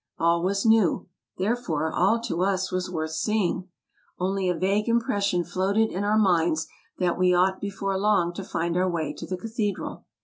All was new, therefore all to us was worth seeing. Only a vague impression floated in our minds that we ought before long to find our way to the cathedral.